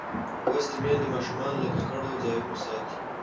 لوستې میندې ماشوم له ککړو ځایونو ساتي.